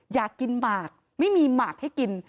อยากกินหมากไม่มีหมากให้กิน